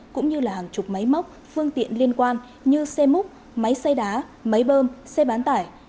cũng như là hàng chục máy móc phương tiện liên quan như xe múc máy xay đá máy bơm xe bán tải